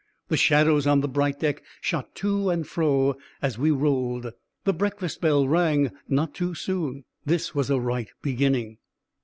The shadows on the bright deck shot to and fro as we rolled. The breakfast bell rang not too soon. This was a right beginning.